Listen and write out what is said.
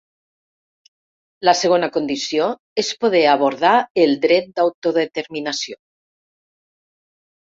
La segona condició és poder abordar el dret d’autodeterminació.